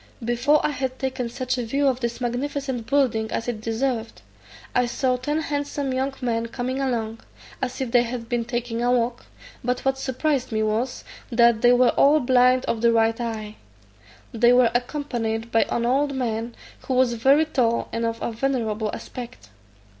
Before I had taken such a view of this magnificent building as it deserved, I saw ten handsome young men coming along, as if they had been taking a walk; but what surprised me was, that they were all blind of the right eye. They were accompanied by an old man, who was very tall, and of a venerable aspect.